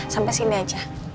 sampai sini aja